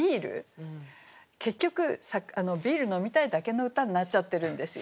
結局ビール飲みたいだけの歌になっちゃってるんですよ。